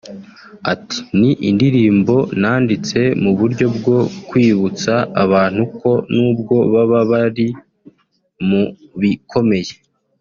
Ati “ Ni indirimbo nanditse mu buryo bwo kwibutsa abantu ko nubwo baba bari mu bikomeye